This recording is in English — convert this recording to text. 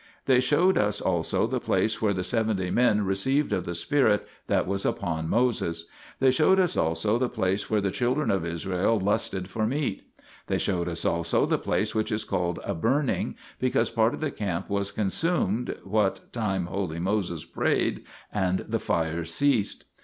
1 They showed us also the place where the seventy men received of the spirit that was upon Moses. 2 They showed us also the place where the children of Israel lusted for meat. They showed us also the place which is called a Burning, because part of the camp was consumed what time holy Moses prayed, and the fire ceased.